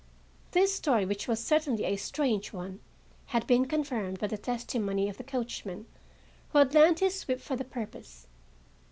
This story, which was certainly a strange one, had been confirmed by the testimony of the coachman who had lent his whip for the purpose.